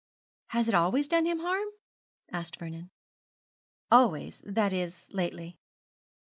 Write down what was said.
'Has it always done him harm?' asked Vernon. 'Always; that is, lately.'